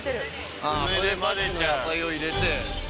それでさっきの野菜を入れて。